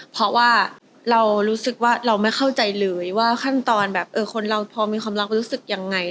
เพราะว่าเรารู้สึกว่าเราไม่เข้าใจเลยว่าขั้นตอนแบบคนเราพอมีความรักเรารู้สึกยังไง